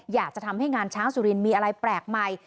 อยากจะทำให้งานช้างสุรินมีอะไรแปลกใหม่